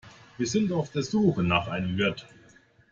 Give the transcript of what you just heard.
Wir sind auf der Suche nach einem Wirt.